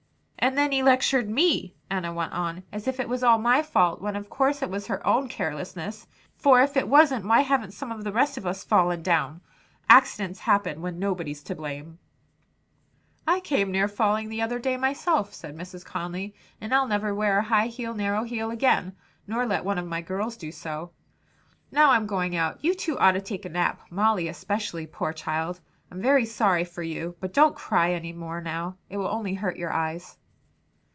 "And then he lectured me," Enna went on, "as if it was all my fault, when of course it was her own carelessness; for if it wasn't, why haven't some of the rest of us fallen down. Accidents happen when nobody's to blame." "I came near falling the other day, myself," said Mrs. Conly, "and I'll never wear a high, narrow heel again, nor let one of my girls do so. Now I'm going out. You two ought to take a nap; Molly especially, poor child! I'm very sorry for you; but don't cry any more now. It will only hurt your eyes."